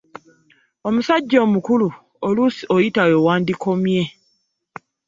Omusajja omukulu oluusi oyita we wandikomye.